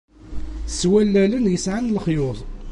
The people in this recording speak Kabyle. S wallalen yesɛan lexyuḍ.